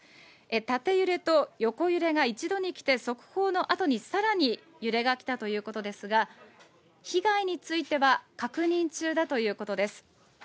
縦揺れと横揺れが一度に来て速報のあとに、さらに揺れが来たということですが、被害については確認中だということです。